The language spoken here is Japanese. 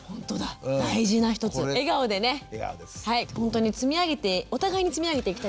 本当に積み上げてお互いに積み上げていきたいですよね。